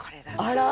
あら！